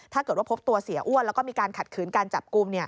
ถ้าเกิดว่าพบตัวเสียอ้วนแล้วก็มีการขัดขืนการจับกลุ่ม